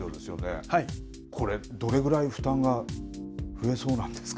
これ、どれぐらい負担が増えそうなんですか。